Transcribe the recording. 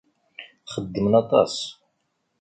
Xeddmen aṭas.